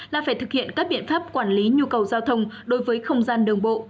là phải thực hiện các biện pháp quản lý nhu cầu giao thông đối với không gian đường bộ